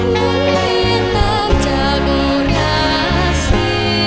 มุนเวียนตามจากอุราศิ